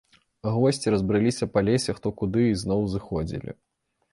Госці разбрыліся па лесе хто куды і зноў зыходзілі.